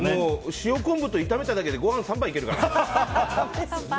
塩昆布と炒めただけでごはん３杯いけるからね。